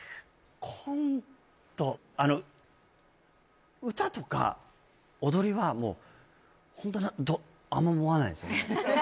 あの歌とか踊りはもうホントどあんま思わないんですよね